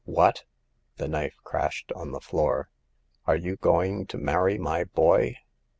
" What ? "—the knife crashed on the floor — "are you going to marry my boy?"